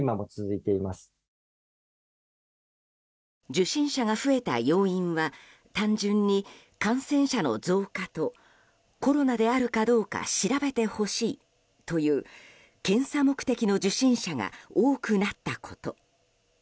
受診者が増えた要因は単純に感染者の増加とコロナであるかどうか調べてほしいという検査目的の受診者が多くなったこと。